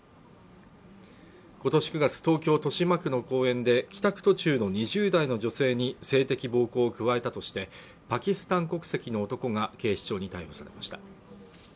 今年９月東京豊島区の公園で帰宅途中の２０代の女性に性的暴行を加えたとしてパキスタン国籍の男が警視庁に逮捕されました